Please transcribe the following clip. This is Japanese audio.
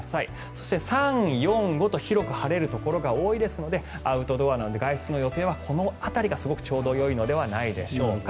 そして３、４、５と広く晴れるところが多いのでアウトドアなど、外出の予定はこの辺りがちょうどよいのではないでしょうか。